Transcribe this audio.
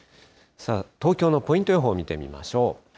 東京のポイント予報を見ていきましょう。